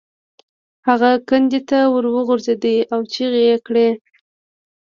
هغه کندې ته وغورځید او چیغې یې کړې.